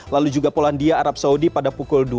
lalu juga polandia arab saudi pada pukul dua